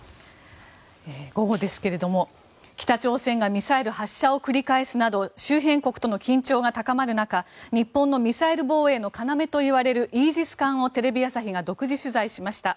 午後ですが、北朝鮮がミサイル発射を繰り返すなど周辺国との緊張が高まる中日本のミサイル防衛の要といわれるイージス艦をテレビ朝日が独自取材しました。